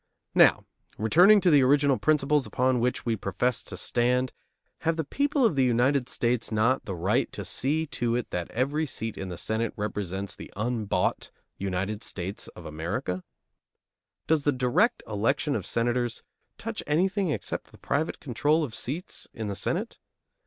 Now, returning to the original principles upon which we profess to stand, have the people of the United States not the right to see to it that every seat in the Senate represents the unbought United States of America? Does the direct election of Senators touch anything except the private control of seats in the Senate?